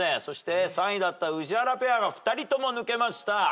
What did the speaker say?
そして３位だった宇治原ペアが２人とも抜けました。